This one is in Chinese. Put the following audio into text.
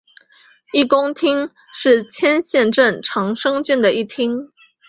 一宫町是千叶县长生郡的一町。